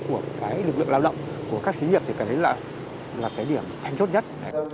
cái nội lực làm động của các sĩ nghiệp thì cái đấy là cái điểm thanh chốt nhất